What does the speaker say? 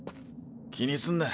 気にすんな。